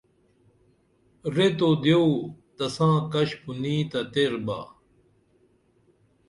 ریت و دیو تساں کش بُنیں تہ تیربا